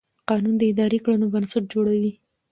قانون د اداري کړنو بنسټ جوړوي.